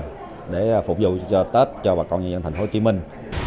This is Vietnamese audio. thế là phục vụ cho tết cho bà con người dân thành phố hồ chí minh